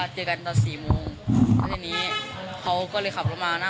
ผมก็เลยไปหาเพื่อนแล้วทีนี้เขาก็เลยกว้างมาเลย